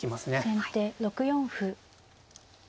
先手６四歩。